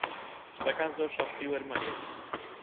شتەکان زۆر شەخسی وەرمەگرە.